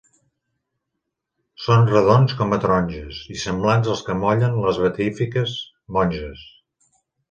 Són redons com a taronges i semblants als que amollen les beatífiques monges.